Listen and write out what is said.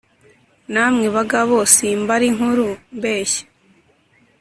na mwe bagabo simbara inkuru mbeshya